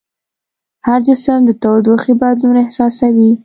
هر جسم د تودوخې بدلون احساسوي.